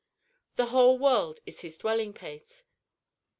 The whole world is his dwelling place.